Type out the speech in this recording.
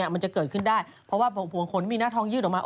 มันจะเกิดขึ้นได้เพราะว่าหัวขนมีหน้าทองยืดออกมา